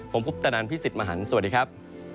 ผมพุทธนันพี่สิทธิ์มหันฯสวัสดีครับ